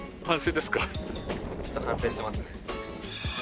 ちょっと反省してますね